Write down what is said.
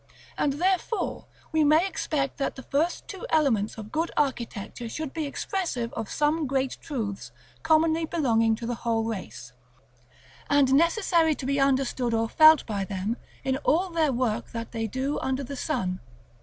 And therefore we may expect that the first two elements of good architecture should be expressive of some great truths commonly belonging to the whole race, and necessary to be understood or felt by them in all their work that they do under the sun.